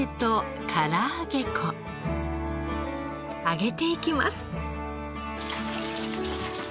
揚げていきます。